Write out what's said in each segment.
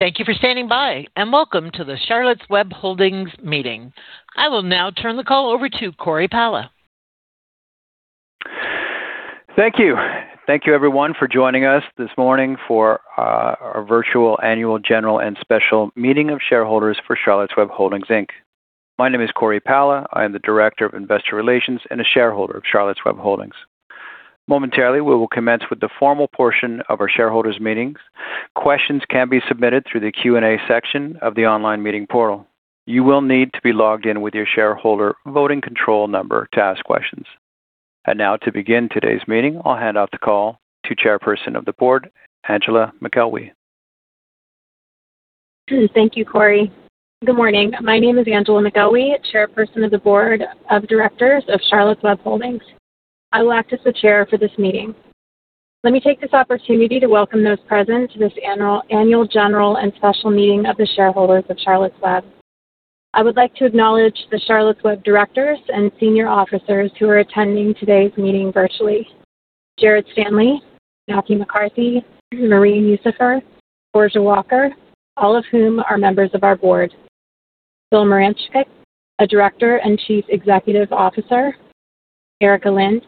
Thank you for standing by, and welcome to the Charlotte's Web Holdings meeting. I will now turn the call over to Cory Pala. Thank you. Thank you everyone for joining us this morning for our virtual annual general and special meeting of shareholders for Charlotte's Web Holdings, Inc. My name is Cory Pala. I am the Director of Investor Relations and a shareholder of Charlotte's Web Holdings. Momentarily, we will commence with the formal portion of our shareholders meetings. Questions can be submitted through the Q&A section of the online meeting portal. You will need to be logged in with your shareholder voting control number to ask questions. Now to begin today's meeting, I'll hand off the call to Chairperson of the Board, Angela McElwee. Thank you, Cory. Good morning. My name is Angela McElwee, Chairperson of the Board of Directors of Charlotte's Web Holdings. I will act as the chair for this meeting. Let me take this opportunity to welcome those present to this annual general and special meeting of the shareholders of Charlotte's Web. I would like to acknowledge the Charlotte's Web directors and senior officers who are attending today's meeting virtually. Jared Stanley, Matthew McCarthy, Maureen Usifer, M. Borgia Walker, all of whom are members of our board. Bill Morachnick, a director and Chief Executive Officer. Erika Lind,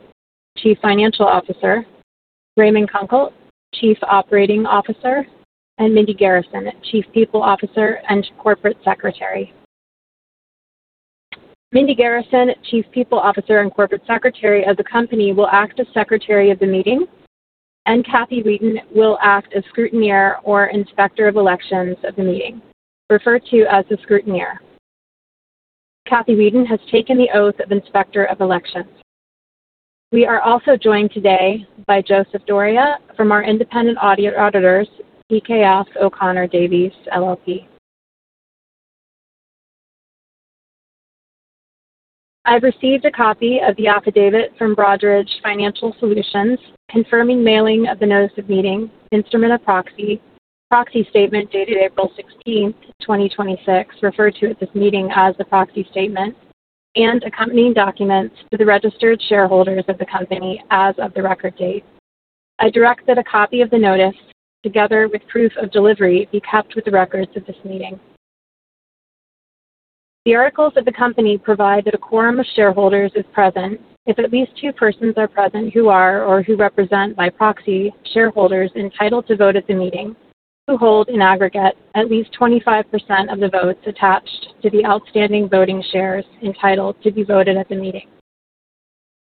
Chief Financial Officer, Raymond Kunkel, Chief Operating Officer, and Mindy Garrison, Chief People Officer and Corporate Secretary. Mindy Garrison, Chief People Officer and Corporate Secretary of the company will act as Secretary of the meeting, and Kathy Weeden will act as scrutineer or Inspector of Elections of the meeting, referred to as the scrutineer. Kathy Weeden has taken the oath of Inspector of Election. We are also joined today by Joseph Doria from our independent auditors, PKF O'Connor Davies, LLP. I've received a copy of the affidavit from Broadridge Financial Solutions confirming mailing of the notice of meeting, instrument of proxy statement dated April 16, 2026, referred to at this meeting as the proxy statement, and accompanying documents to the registered shareholders of the company as of the record date. I direct that a copy of the notice, together with proof of delivery, be kept with the records of this meeting. The articles of the company provide that a quorum of shareholders is present if at least two persons are present who are, or who represent by proxy, shareholders entitled to vote at the meeting who hold in aggregate at least 25% of the votes attached to the outstanding voting shares entitled to be voted at the meeting.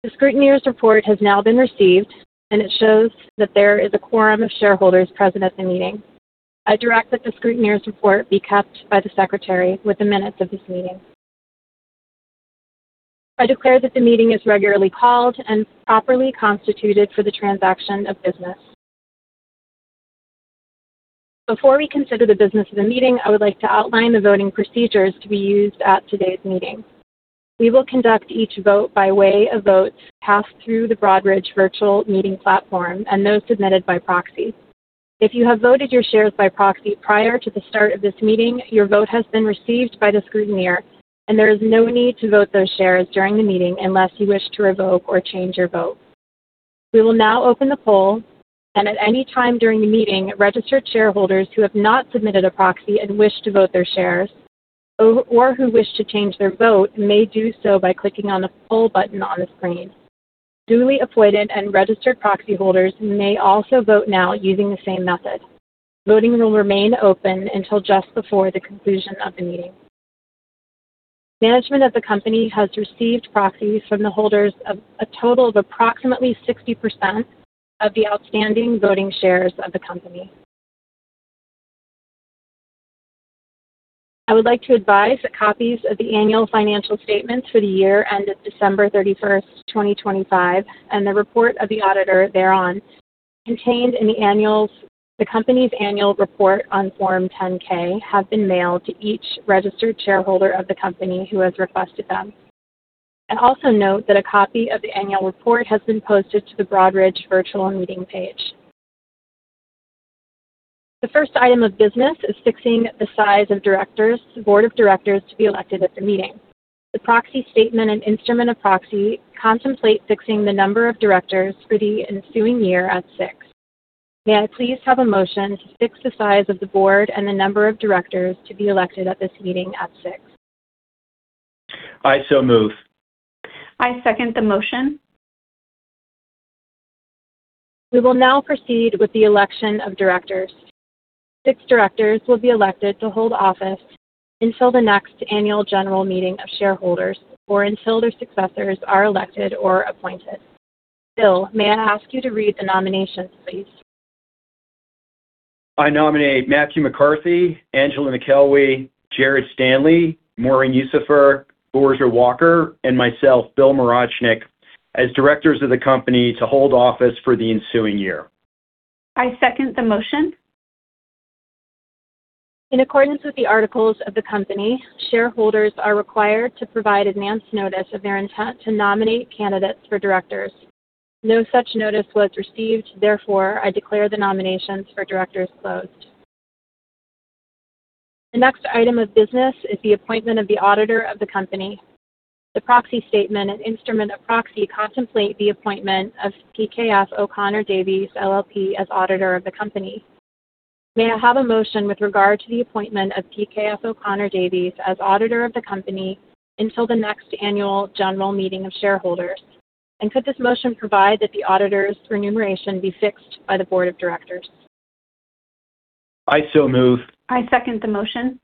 The scrutineer's report has now been received, and it shows that there is a quorum of shareholders present at the meeting. I direct that the scrutineer's report be kept by the secretary with the minutes of this meeting. I declare that the meeting is regularly called and properly constituted for the transaction of business. Before we consider the business of the meeting, I would like to outline the voting procedures to be used at today's meeting. We will conduct each vote by way of votes cast through the Broadridge virtual meeting platform and those submitted by proxy. If you have voted your shares by proxy prior to the start of this meeting, your vote has been received by the scrutineer and there is no need to vote those shares during the meeting unless you wish to revoke or change your vote. We will now open the poll, and at any time during the meeting, registered shareholders who have not submitted a proxy and wish to vote their shares or who wish to change their vote may do so by clicking on the poll button on the screen. Duly appointed and registered proxy holders may also vote now using the same method. Voting will remain open until just before the conclusion of the meeting. Management of the company has received proxies from the holders of a total of approximately 60% of the outstanding voting shares of the company. I would like to advise that copies of the annual financial statements for the year end of December 31st, 2025, and the report of the auditor thereon, contained in the company's annual report on Form 10-K, have been mailed to each registered shareholder of the company who has requested them. I also note that a copy of the annual report has been posted to the Broadridge virtual meeting page. The first item of business is fixing the size of board of directors to be elected at the meeting. The proxy statement and instrument of proxy contemplate fixing the number of directors for the ensuing year at six. May I please have a motion to fix the size of the board and the number of directors to be elected at this meeting at six? I so move. I second the motion. We will now proceed with the election of directors. Six directors will be elected to hold office until the next annual general meeting of shareholders or until their successors are elected or appointed. Bill, may I ask you to read the nominations, please? I nominate Matthew McCarthy, Angela McElwee, Jared Stanley, Maureen Usifer, Borgia Walker, and myself, Bill Morachnick, as directors of the company to hold office for the ensuing year. I second the motion. In accordance with the articles of the company, shareholders are required to provide advance notice of their intent to nominate candidates for directors. No such notice was received. Therefore, I declare the nominations for directors closed. The next item of business is the appointment of the auditor of the company. The proxy statement and instrument of proxy contemplate the appointment of PKF O'Connor Davies, LLP as auditor of the company. May I have a motion with regard to the appointment of PKF O'Connor Davies, LLP as auditor of the company until the next annual general meeting of shareholders? Could this motion provide that the auditor's remuneration be fixed by the board of directors? I so move. I second the motion.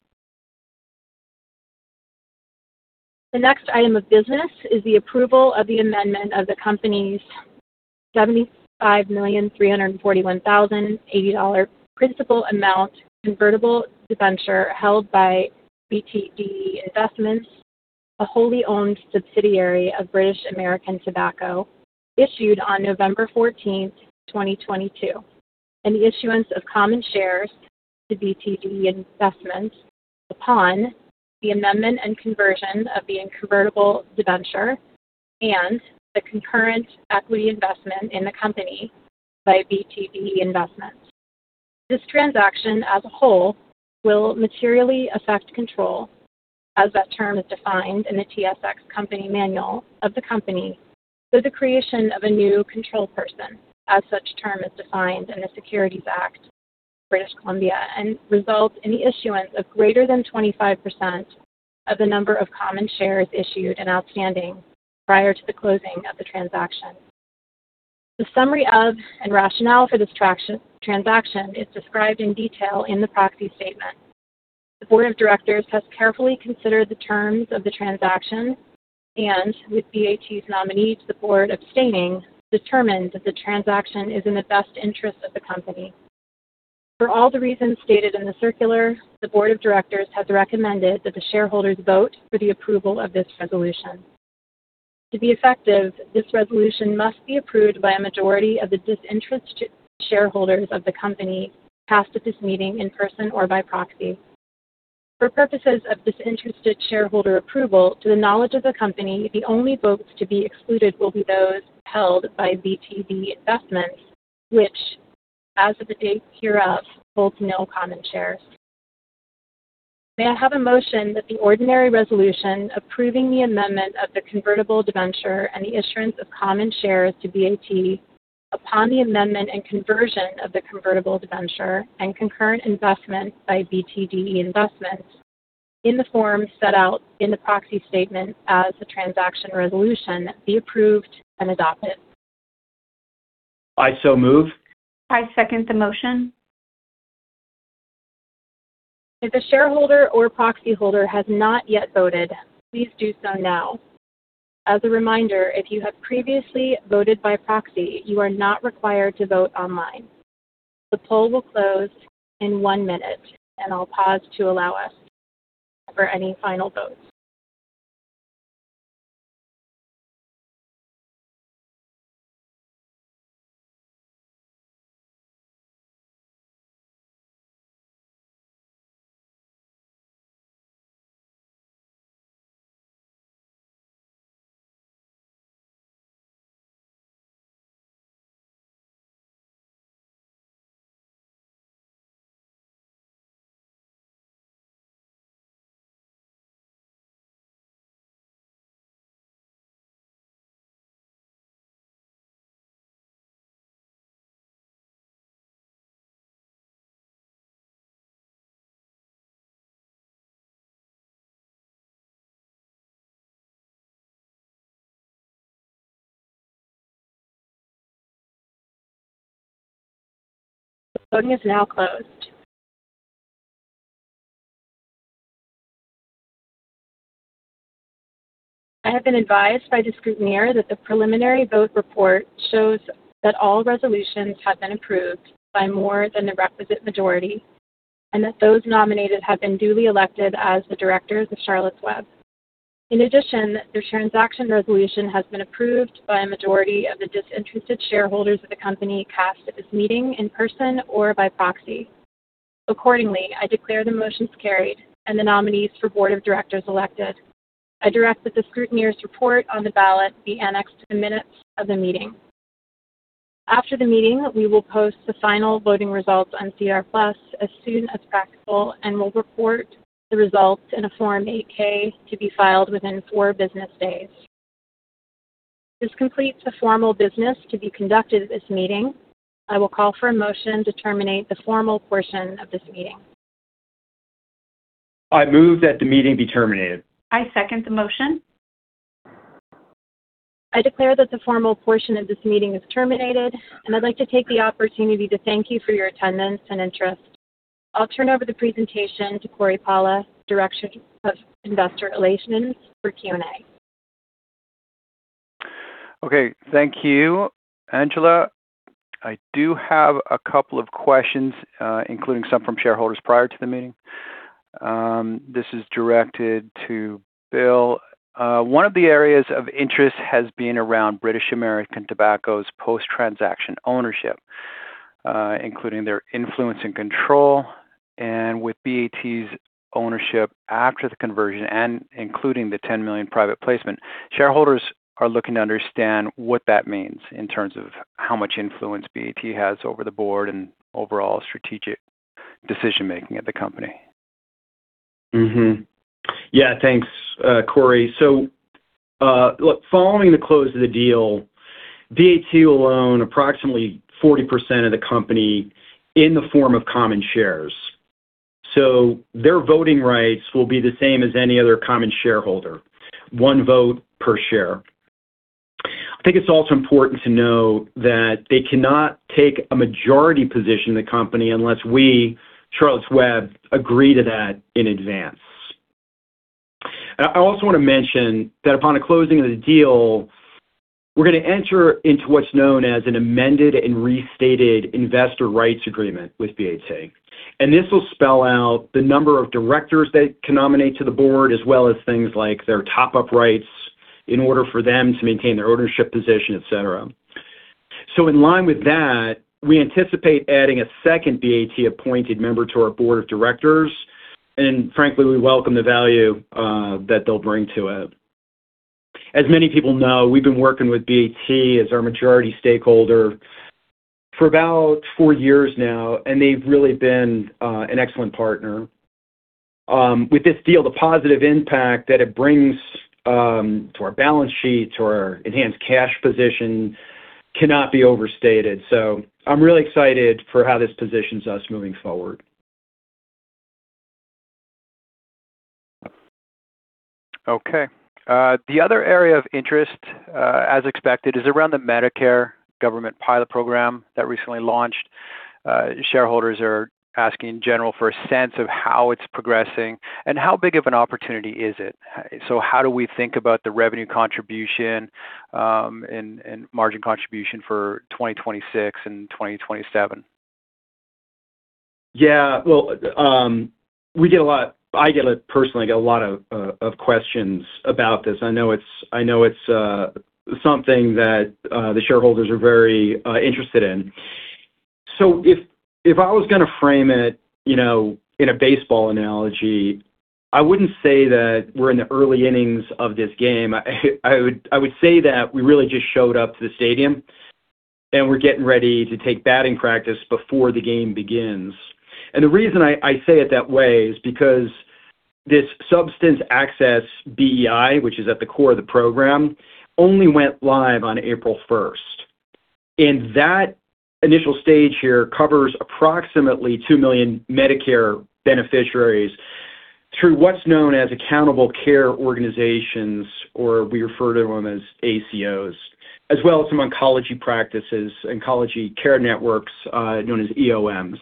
The next item of business is the approval of the amendment of the company's 75,341,080 dollar principal amount convertible debenture held by BT DE Investments, a wholly owned subsidiary of British American Tobacco, issued on November 14th, 2022, and the issuance of common shares to BT DE Investments upon the amendment and conversion of the convertible debenture and the concurrent equity investment in the company by BT DE Investments. This transaction as a whole will materially affect control, as that term is defined in the TSX Company Manual of the company, with the creation of a new controlled person, as such term is defined in the Securities Act (British Columbia), and results in the issuance of greater than 25% of the number of common shares issued and outstanding prior to the closing of the transaction. The summary of and rationale for this transaction is described in detail in the proxy statement. The board of directors has carefully considered the terms of the transaction and, with BAT's nominee to the board abstaining, determined that the transaction is in the best interest of the company. For all the reasons stated in the circular, the board of directors has recommended that the shareholders vote for the approval of this resolution. To be effective, this resolution must be approved by a majority of the disinterested shareholders of the company cast at this meeting in person or by proxy. For purposes of disinterested shareholder approval, to the knowledge of the company, the only votes to be excluded will be those held by BT DE Investments, which, as of the date hereof, holds no common shares. May I have a motion that the ordinary resolution approving the amendment of the convertible debenture and the issuance of common shares to BAT upon the amendment and conversion of the convertible debenture and concurrent investment by BT DE Investments in the form set out in the proxy statement as the transaction resolution be approved and adopted. I so move. I second the motion. If a shareholder or proxy holder has not yet voted, please do so now. As a reminder, if you have previously voted by proxy, you are not required to vote online. The poll will close in one minute. I'll pause to allow us for any final votes. Voting is now closed. I have been advised by the scrutineer that the preliminary vote report shows that all resolutions have been approved by more than the requisite majority and that those nominated have been duly elected as the directors of Charlotte's Web. In addition, the transaction resolution has been approved by a majority of the disinterested shareholders of the company cast at this meeting in person or by proxy. Accordingly, I declare the motions carried and the nominees for board of directors elected. I direct that the scrutineer's report on the ballot be annexed to the minutes of the meeting. After the meeting, we will post the final voting results on SEDAR+ as soon as practical and will report the results in a Form 8-K to be filed within four business days. This completes the formal business to be conducted at this meeting. I will call for a motion to terminate the formal portion of this meeting. I move that the meeting be terminated. I second the motion. I declare that the formal portion of this meeting is terminated, and I'd like to take the opportunity to thank you for your attendance and interest. I'll turn over the presentation to Cory Pala, Director of Investor Relations, for Q&A. Okay. Thank you, Angela. I do have a couple of questions, including some from shareholders prior to the meeting. This is directed to Bill. One of the areas of interest has been around British American Tobacco's post-transaction ownership, including their influence and control, and with BAT's ownership after the conversion, and including the 10 million private placement. Shareholders are looking to understand what that means in terms of how much influence BAT has over the board and overall strategic decision-making at the company. Yeah, thanks, Cory Pala. Look, following the close of the deal, BAT will own approximately 40% of the company in the form of common shares. Their voting rights will be the same as any other common shareholder, one vote per share. I think it's also important to know that they cannot take a majority position in the company unless we, Charlotte's Web, agree to that in advance. I also want to mention that upon the closing of the deal, we're going to enter into what's known as an amended and restated investor rights agreement with BAT. This will spell out the number of directors they can nominate to the board, as well as things like their top-up rights in order for them to maintain their ownership position, et cetera. In line with that, we anticipate adding a second BAT-appointed member to our Board of Directors, and frankly, we welcome the value that they'll bring to it. As many people know, we've been working with BAT as our majority stakeholder for about four years now, and they've really been an excellent partner. With this deal, the positive impact that it brings to our balance sheet, to our enhanced cash position cannot be overstated. I'm really excited for how this positions us moving forward. Okay. The other area of interest, as expected, is around the Medicare government pilot program that recently launched. Shareholders are asking in general for a sense of how it's progressing and how big of an opportunity is it. How do we think about the revenue contribution, and margin contribution for 2026 and 2027? Yeah. Well, I get a lot of questions about this. I know it's something that the shareholders are very interested in. If I was going to frame it in a baseball analogy, I wouldn't say that we're in the early innings of this game. I would say that we really just showed up to the stadium, and we're getting ready to take batting practice before the game begins. The reason I say it that way is because this Substance Access BEI, which is at the core of the program, only went live on April 1st, and that initial stage here covers approximately 2 million Medicare beneficiaries through what's known as Accountable Care Organizations, or we refer to them as ACOs, as well as some oncology practices, oncology care networks, known as EOMs.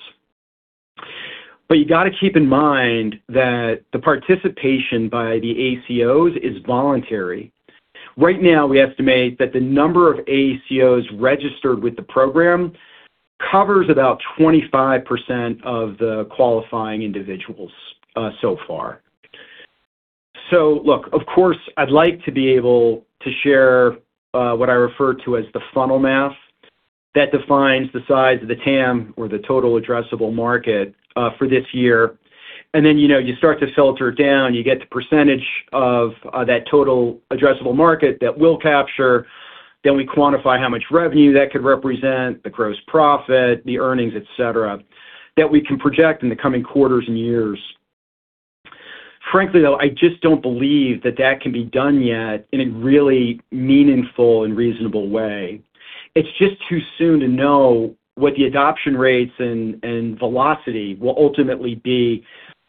You got to keep in mind that the participation by the ACOs is voluntary. Right now, we estimate that the number of ACOs registered with the program covers about 25% of the qualifying individuals so far. Look, of course, I'd like to be able to share what I refer to as the funnel math that defines the size of the TAM, or the total addressable market, for this year. Then, you start to filter down, you get the percentage of that total addressable market that we'll capture, then we quantify how much revenue that could represent, the gross profit, the earnings, et cetera, that we can project in the coming quarters and years. Frankly, though, I just don't believe that that can be done yet in a really meaningful and reasonable way. It's just too soon to know what the adoption rates and velocity will ultimately be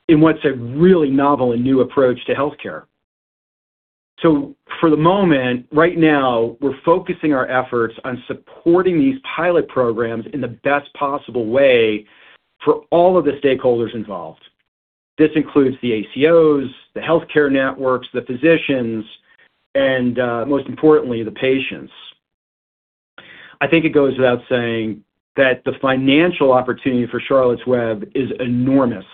in what's a really novel and new approach to healthcare. For the moment, right now, we're focusing our efforts on supporting these pilot programs in the best possible way for all of the stakeholders involved. This includes the ACOs, the healthcare networks, the physicians, and, most importantly, the patients. I think it goes without saying that the financial opportunity for Charlotte's Web is enormous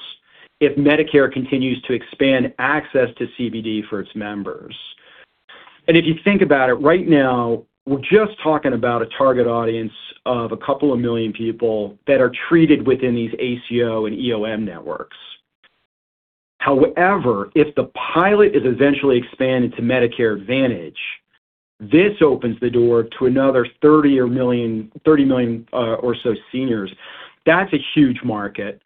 if Medicare continues to expand access to CBD for its members. If you think about it, right now, we're just talking about a target audience of a couple of million people that are treated within these ACO and EOM networks. However, if the pilot is eventually expanded to Medicare Advantage, this opens the door to another 30 million or so seniors. That's a huge market,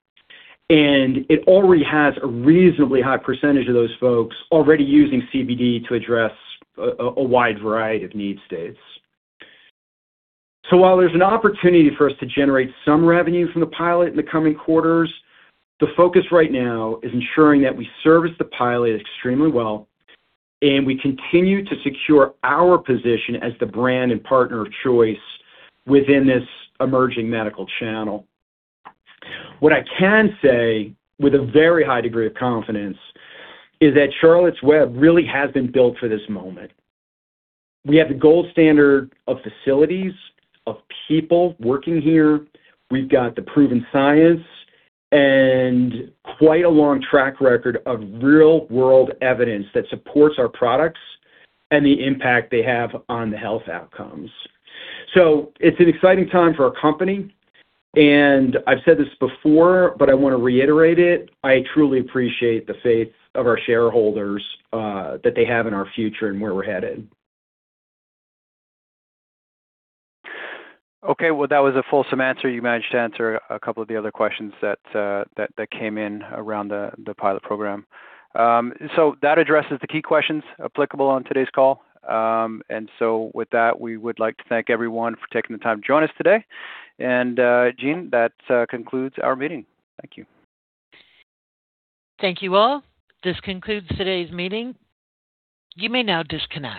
and it already has a reasonably high percentage of those folks already using CBD to address a wide variety of need states. While there's an opportunity for us to generate some revenue from the pilot in the coming quarters, the focus right now is ensuring that we service the pilot extremely well and we continue to secure our position as the brand and partner of choice within this emerging medical channel. What I can say with a very high degree of confidence is that Charlotte's Web really has been built for this moment. We have the gold standard of facilities, of people working here, we've got the proven science and quite a long track record of real-world evidence that supports our products and the impact they have on the health outcomes. It's an exciting time for our company, and I've said this before, but I want to reiterate it, I truly appreciate the faith of our shareholders that they have in our future and where we're headed. Okay. Well, that was a fulsome answer. You managed to answer a couple of the other questions that came in around the pilot program. That addresses the key questions applicable on today's call. With that, we would like to thank everyone for taking the time to join us today. Jean, that concludes our meeting. Thank you. Thank you, all. This concludes today's meeting. You may now disconnect.